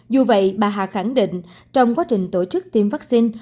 dù vậy bà hà khẳng định trong quá trình tổ chức tiêm vaccine